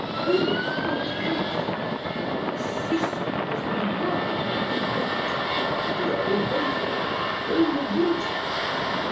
"Only quite lately. His sister has been working like a rat to clear the way for him all the winter."